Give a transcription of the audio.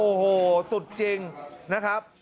โอ้โหสุดจริงนะครับ